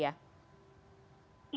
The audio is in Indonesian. iya betul sekali